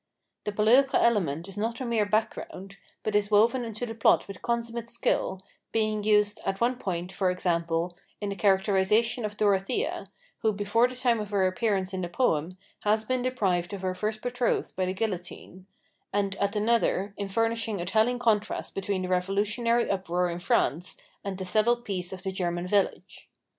The political element is not a mere background, but is woven into the plot with consummate skill, being used, at one point, for example, in the characterization of Dorothea, who before the time of her appearance in the poem has been deprived of her first betrothed by the guillotine; and, at another, in furnishing a telling contrast between the revolutionary uproar in France and the settled peace of the German village.